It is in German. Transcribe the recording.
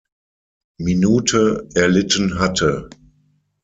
Minute, erlitten hatte.